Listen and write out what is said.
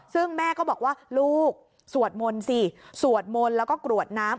ซึ่งแม่ก็บอกว่าลูกสวดมนต์สิสวดมนต์แล้วก็กรวดน้ำ